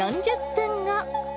４０分後。